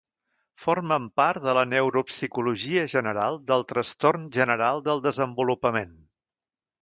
Formen part de la neuropsicologia general del trastorn general del desenvolupament.